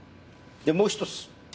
でもう一つ。